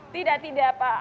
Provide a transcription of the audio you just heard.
tidak tidak pak